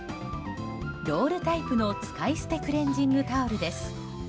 ロールタイプの、使い捨てクレンジングタオルです。